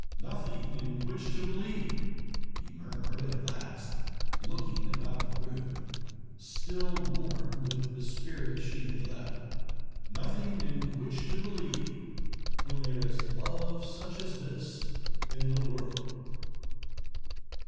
"Nothing in which to believe," he murmured at last, looking about the room still warm with the spirit she had left "nothing in which to believe when there is love such as this in the world?"